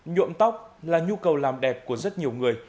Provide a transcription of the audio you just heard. nhuộm tóc là nhu cầu làm đẹp của rất nhiều người